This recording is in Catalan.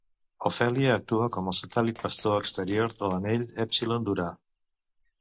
Ofèlia actua com el satèl·lit pastor exterior de l'anell èpsilon d'Urà.